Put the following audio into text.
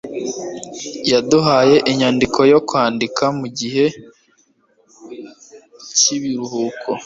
Yaduhaye inyandiko yo kwandika mugihe cyibiruhuko.